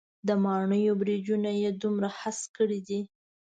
د ماڼېیو برجونه یې دومره هسک کړي دی.